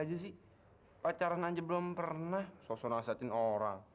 sampai jumpa di video selanjutnya